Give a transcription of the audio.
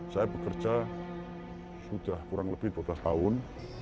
saya bekerja sudah kurang lebih dua belas tahun